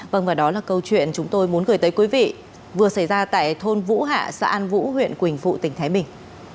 vâng và đó là câu chuyện chúng tôi muốn gửi tới quý vị vừa xảy ra tại thôn vũ hạ xã an vũ huyện quỳnh phụ tỉnh thái bình